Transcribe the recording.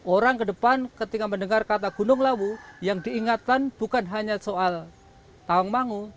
orang ke depan ketika mendengar kata gunung lawu yang diingatkan bukan hanya soal tawang mangu